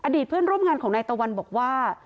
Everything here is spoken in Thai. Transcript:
เพื่อนร่วมงานของนายตะวันบอกว่า